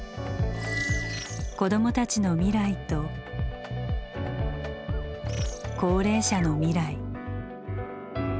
子どもたちの未来と高齢者の未来。